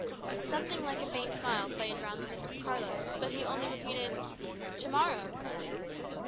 Something like a faint smile played round the lips of Carlos; but he only repeated, "To morrow!"